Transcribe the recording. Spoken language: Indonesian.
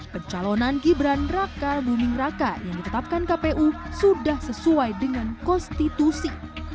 pencalonan gibran raka buming raka yang ditetapkan kpu sudah sesuai dengan konstitusi